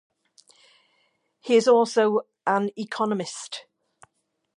He is also an economist.